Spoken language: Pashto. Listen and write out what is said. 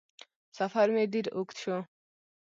سفر مې ډېر اوږد شو